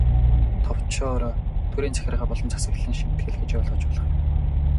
Товчоор, төрийн захиргаа болон засаглалын шинэтгэл гэж ойлгож болох юм.